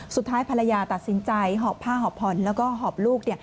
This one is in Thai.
สุดท้ายภรรยาตัดสินใจหอบผ้าหอบผ่อนแล้วก็หอบลูก